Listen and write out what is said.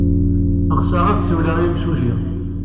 Ɣseɣ ad ssiwleɣ ed yimsujji.